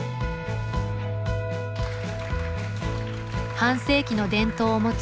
半世紀の伝統を持つ